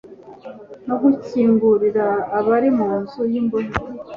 no gukingurira abari mu nzu y'imbohe,